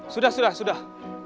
sudah sudah sudah